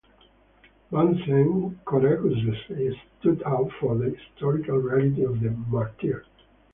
Bunsen courageously stood out for the historical reality of the martyr.